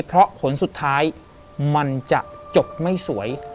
เพราะผลสุดท้ายมันจะจบไม่สวย